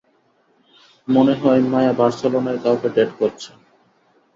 মনে হয় মায়া বার্সেলোনায় কাউকে ডেট করছে।